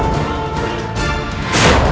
selamat tinggal puteraku